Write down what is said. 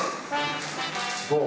どう？